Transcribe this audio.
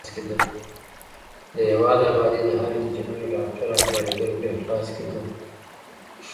د هېواد ابادي د هر انجینر، ډاکټر او کارګر په اخلاص کې ده.